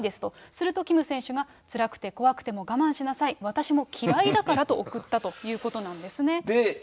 するとキム選手が、つらくて怖くても我慢しなさい、私も嫌いだからと送ったということなんですね。